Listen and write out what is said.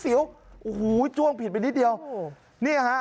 สิวโอ้โหจ้วงผิดไปนิดเดียวนี่ฮะ